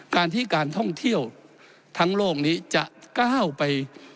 การที่การท่องเที่ยวทั้งโลกนี้จะก้าวไป